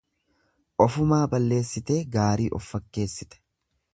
Ofumaa balleessitee gaarii of fakkeessite.